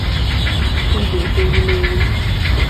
igbe erimeri